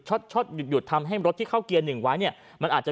ช็อตหยุดหยุดทำให้รถที่เข้าเกียร์หนึ่งไว้เนี่ยมันอาจจะ